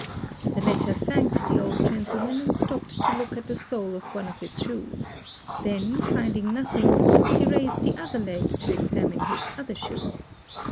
The latter thanked the old gentleman and stopped to look at the sole of one of his shoes, then, finding nothing, he raised the other leg to examine | his other shoe.